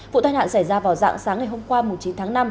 vụ tai nạn xảy ra vào dạng sáng ngày hôm qua chín tháng năm